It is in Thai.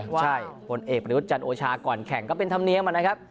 ใช่ผลเอกประยุทธ์จันทร์โอชาก่อนแข่งก็เป็นธรรมเนียมนะครับ